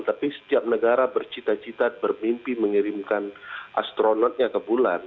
tapi setiap negara bercita cita bermimpi mengirimkan astronotnya ke bulan